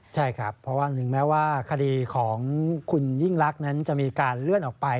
ใช่ครับเพราะว่าถึงแม้ว่าคดีของคุณยิ่งลักษณ์นั้นจะมีการเลื่อนออกไป